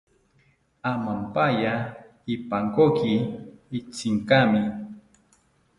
Amampaya ipankoki Itzinkami